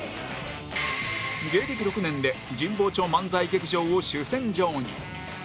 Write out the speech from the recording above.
芸歴６年で神保町漫才劇場を主戦場に